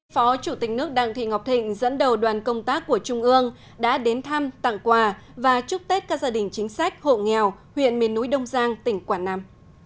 phó chủ tịch nước đặng thị ngọc thịnh dẫn đầu đoàn công tác của trung ương đã đến thăm tặng quà và chúc tết các gia đình chính sách hộ nghèo huyện miền núi đông giang tỉnh quảng nam